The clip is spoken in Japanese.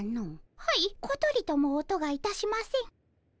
はいことりとも音がいたしません。